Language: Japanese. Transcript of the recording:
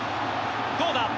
どうだ？